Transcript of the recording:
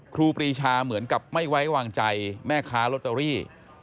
ครูปรีชาเหมือนกับไม่ไว้วางใจแม่ค้าลอตเตอรี่